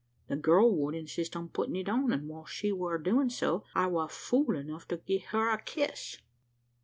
The girl would insist on puttin' it on; an' while she war doin' so, I war fool enough to gie her a kiss.